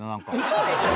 ⁉嘘でしょ